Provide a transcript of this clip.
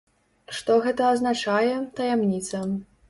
Што гэта азначае, таямніца.